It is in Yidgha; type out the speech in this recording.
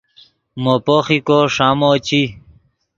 مو پوخیکو ݰامو چی